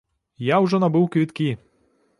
Я ўжо набыў квіткі!